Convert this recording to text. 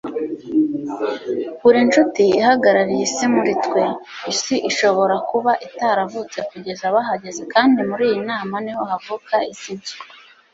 buri nshuti ihagarariye isi muri twe, isi ishobora kuba itaravutse kugeza bahageze, kandi muriyi nama niho havuka isi nshya